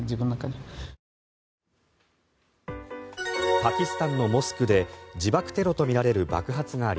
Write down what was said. パキスタンのモスクで自爆テロとみられる爆発があり